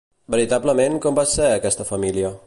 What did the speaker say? Veritablement com va ser aquesta família?